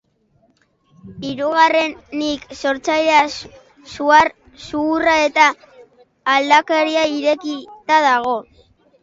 Hirugarrenik, sortzailea zuhurra eta aldaketari irekita dago.